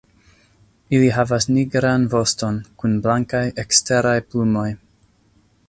Ili havas nigran voston kun blankaj eksteraj plumoj.